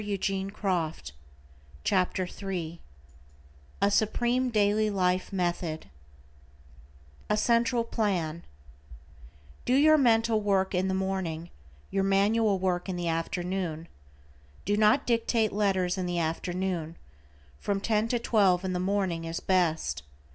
=Lesson Third A SUPREME DAILY LIFE METHOD A CENTRAL PLAN:= Do your mental work in the morning, your manual work in the afternoon. Do not dictate letters in the afternoon; from ten to twelve in the morning is best.